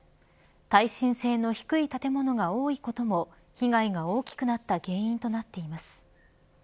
耐震性の低い建物が多いことも被害が大きくなった原因となっています。